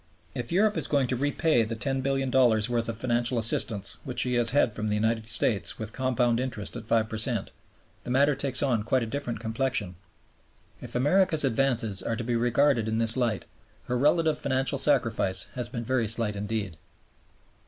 If Europe is going to repay the $10,000,000,000 worth of financial assistance which she has had from the United States with compound interest at 5 per cent, the matter takes on quite a different complexion. If America's advances are to be regarded in this light, her relative financial sacrifice has been very slight indeed.